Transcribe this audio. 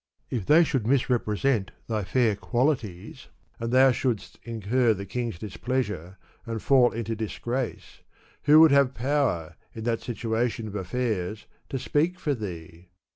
If they should misrepresent thy £dr qualities, and thou shouldst incur the king's displeasure and fall into dis grace, who would have power, in that situation of affairs, to speak for thee?